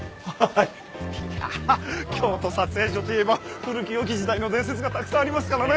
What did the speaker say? いやぁ京都撮影所といえば古き良き時代の伝説がたくさんありますからね。